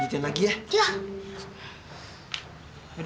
kehidupan yang lebih baik